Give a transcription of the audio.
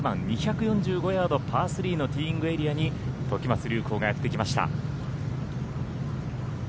１６番２４５ヤード、パー３のティーイングエリアに時松隆光がやってきました。